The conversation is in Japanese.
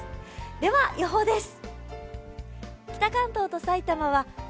では、予報です。